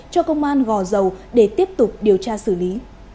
cho công an gò dầu để tiếp tục điều tra xử lý